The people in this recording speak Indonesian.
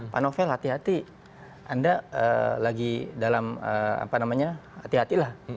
pak novel hati hati anda lagi dalam apa namanya hati hati lah